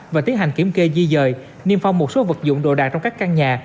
và tiến hành kiểm kê di dời niêm phong một số vật dụng độ đạt trong các căn nhà